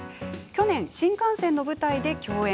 去年、新感線の舞台で共演。